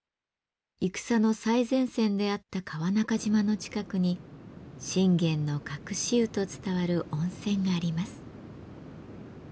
戦の最前線であった川中島の近くに信玄の隠し湯と伝わる温泉があります。